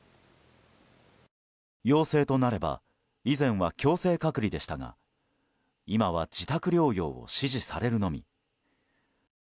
陽性となれば以前は強制隔離でしたが今は自宅療養を指示されるのみ。